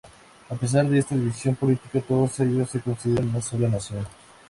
A pesar de esta división política, todos ellos se consideran una sola nación.